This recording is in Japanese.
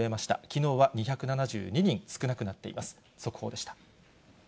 きのうは２７２人少なくなっています。